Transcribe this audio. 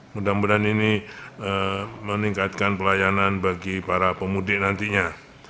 mudah mudahan ini meningkatkan pelayanan bagi para pemudik nantinya